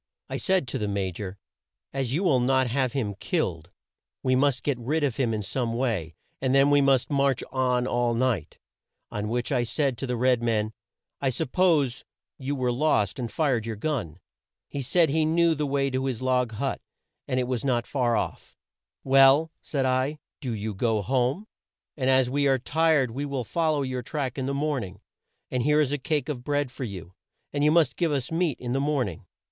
I said to the Ma jor; 'As you will not have him killed, we must get rid of him in some way, and then we must march on all night;' on which I said to the red man, 'I suppose you were lost and fired your gun.' "He said he knew the way to his log hut and it was not far off. 'Well,' said I, 'do you go home; and as we are tired we will fol low your track in the morn ing, and here is a cake of bread for you, and you must give us meat in the morn ing.'